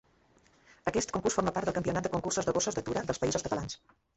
Aquest concurs forma part del Campionat de Concursos de Gossos d'Atura dels Països Catalans.